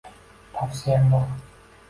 Tavsiyam bor.